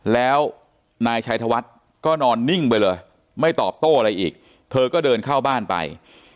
แล้วนายชัยธวัฒน์ก็นอนนิ่งไปเลยไม่ตอบโต้อะไรอีกเธอก็เดินเข้าบ้านไป